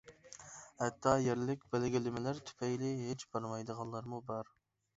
ھەتتا يەرلىك بەلگىلىمىلەر تۈپەيلى ھېچ بارمايدىغانلارمۇ بار.